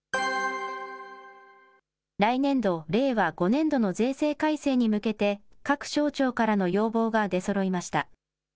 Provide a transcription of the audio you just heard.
来年度・令和５年度の税制改正に向けて、各省庁からの要望が出そろいました。